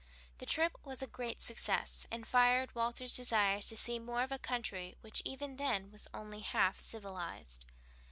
The trip was a great success, and fired Walter's desires to see more of a country which even then was only half civilized.